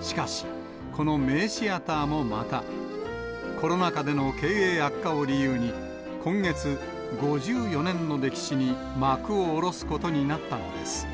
しかし、この名シアターもまた、コロナ禍での経営悪化を理由に、今月、５４年の歴史に幕を下ろすことになったのです。